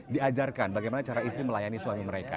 diajarkan bagaimana cara istri melayani suami mereka